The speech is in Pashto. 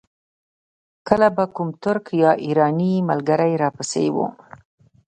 کله به کوم ترک یا ایراني ملګری را پسې و.